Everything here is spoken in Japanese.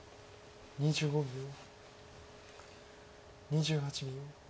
２８秒。